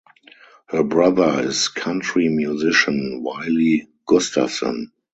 Her brother is country musician Wylie Gustafson.